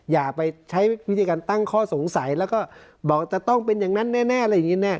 อย่าไปใช้วิธีการตั้งข้อสงสัยแล้วก็บอกจะต้องเป็นอย่างนั้นแน่อะไรอย่างนี้แน่